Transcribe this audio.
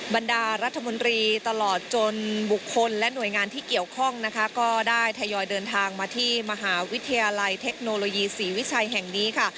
บรรดารัฐมนตรีตลอดจนบุคคลและหน่วยงานที่เกี่ยวข้องนะคะก็ได้ทยอยเดินทางมาที่มหาวิทยาลัยเทคโนโลยีศรีวิชัยแห่งนี้ค่ะ